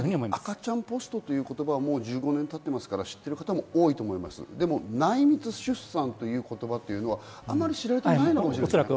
赤ちゃんポストという言葉は１５年経っていますから、知っている方も多いと思います、でも内密出産という言葉はあまり知られていないかもしれませんね。